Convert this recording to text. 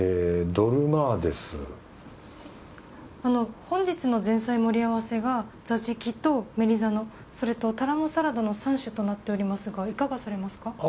あの本日の前菜盛り合わせがザジキとメリザノそれとタラモサラダの３種となっておりますがいかがされますか？